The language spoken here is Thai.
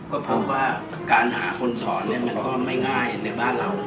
ก็พบว่าการหาคนสอนก็ไม่ง่ายในบ้านเรา